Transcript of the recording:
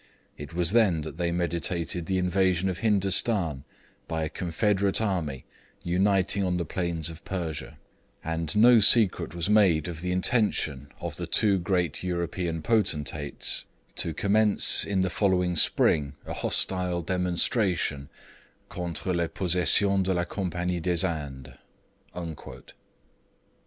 It was then that they meditated the invasion of Hindostan by a confederate army uniting on the plains of Persia; and no secret was made of the intention of the two great European potentates to commence in the following spring a hostile demonstration Contre les possessions de la compagnie des Indes.'